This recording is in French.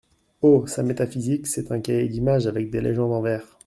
Oh ! sa métaphysique, c'est un cahier d'images avec des légendes en vers.